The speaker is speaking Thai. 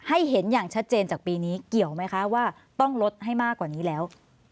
เห็นอย่างชัดเจนจากปีนี้เกี่ยวไหมคะว่าต้องลดให้มากกว่านี้แล้ว